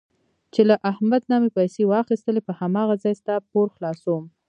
چې له احمد نه مې پیسې واخیستلې په هماغه ځای ستا پور خلاصوم.